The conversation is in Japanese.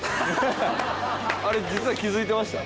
あれ実は気付いてました。